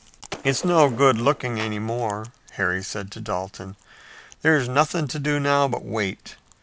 "It's no good looking any more," Harry said to Dalton. "There's nothing to do now but wait.